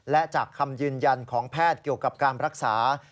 และจากคำยืนยันของแพทย์เกี่ยวกับการรักษา